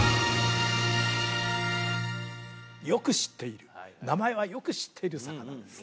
よく知っている名前はよく知っている魚です